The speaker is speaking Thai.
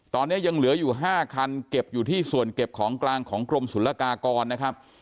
ตอนนี้ยังเหลืออยู่๕คันเก็บอยู่ที่ส่วนเก็บของกลางของกรมศุลกากรนะครับ